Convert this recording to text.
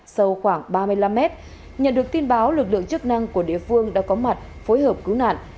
sâu khoảng ba mươi năm mét nhận được tin báo lực lượng chức năng của địa phương đã có mặt phối hợp cứu nạn